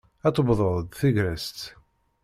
A tewweḍ-d tegrest.